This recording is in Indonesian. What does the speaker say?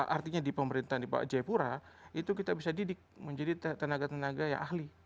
artinya di pemerintahan di jayapura itu kita bisa didik menjadi tenaga tenaga yang ahli